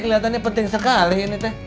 kelihatannya penting sekali ini teh